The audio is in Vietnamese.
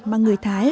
mà người thái